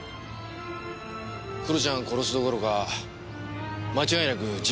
黒ちゃんを殺すどころか間違いなく自分が死んでた。